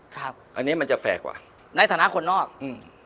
ครับอันนี้มันจะแฟร์กว่าในฐานะคนนอกอืม